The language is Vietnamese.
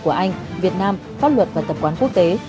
của anh việt nam pháp luật và tập quán quốc tế